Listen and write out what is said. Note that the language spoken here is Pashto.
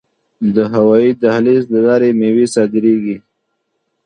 د هوایی دهلیز له لارې میوې صادریږي.